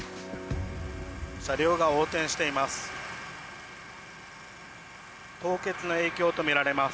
車両が横転しています。